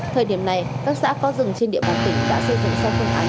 thời điểm này các xã có rừng trên địa bàn tỉnh đã xây dựng xong phương án